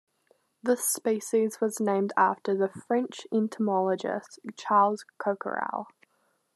This species was named after the French entomologist Charles Coquerel.